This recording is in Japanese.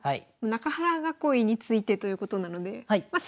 中原囲いについてということなのでまあ